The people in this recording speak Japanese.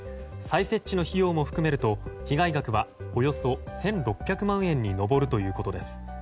再設置の費用も含めると被害額は、およそ１６００万円に上るということです。